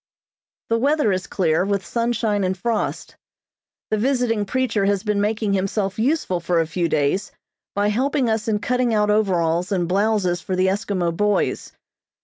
The weather is clear, with sunshine and frost. The visiting preacher has been making himself useful for a few days by helping us in cutting out overalls and blouses for the Eskimo boys.